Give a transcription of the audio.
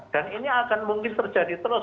dan ini akan mungkin terjadi terus